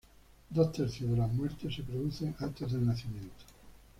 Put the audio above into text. Dos tercios de las muertes se producen antes del nacimiento.